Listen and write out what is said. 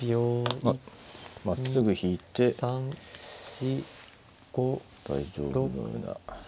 まあまっすぐ引いて大丈夫のような。